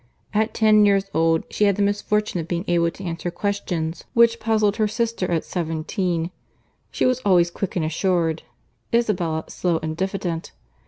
At ten years old, she had the misfortune of being able to answer questions which puzzled her sister at seventeen. She was always quick and assured: Isabella slow and diffident.